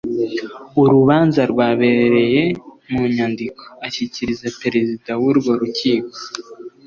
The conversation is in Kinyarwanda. Urubanza rwabereye mu nyandiko ashyikiriza Perezida w urwo rukiko.